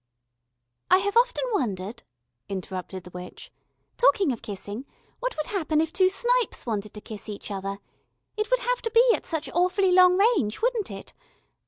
"I have often wondered," interrupted the witch, "talking of kissing what would happen if two snipes wanted to kiss each other? It would have to be at such awfully long range, wouldn't it.